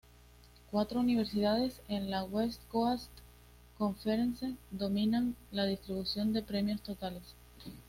Cuatro universidades en la West Coast Conference dominan la distribución de premios totales.